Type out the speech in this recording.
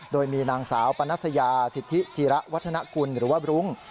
โดยมีนางสาวปนัสยาสิทธิจิระวัฒนกุลหรือว่าบรุ้ง